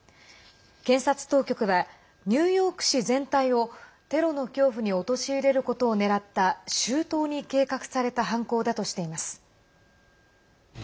検察当局はニューヨーク市全体をテロの恐怖に陥れることを狙った周到に計画された犯行だとしています。